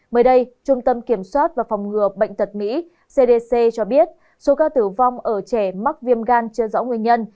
mới đây trung tâm kiểm soát và phòng ngừa bệnh tật mỹ cdc cho biết số ca tử vong ở trẻ mắc viêm gan chưa rõ nguyên nhân